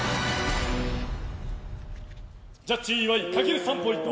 ジャッジ岩井かける３ポイント。